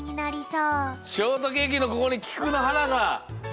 ショートケーキのここにきくのはなが。